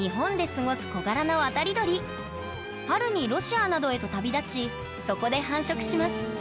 春にロシアなどへと旅立ちそこで繁殖します。